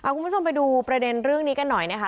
คุณผู้ชมไปดูประเด็นเรื่องนี้กันหน่อยนะคะ